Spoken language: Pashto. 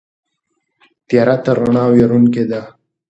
تیاره تر رڼا وېروونکې ده.